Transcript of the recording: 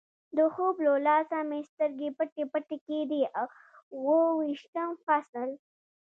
د خوب له لاسه مې سترګې پټې پټې کېدې، اوه ویشتم فصل.